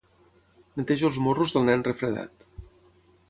Netejo els morros del nen refredat.